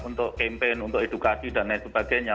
untuk campaign untuk edukasi dan lain sebagainya